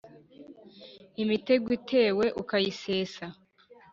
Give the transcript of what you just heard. imitego itewe ukayisesa.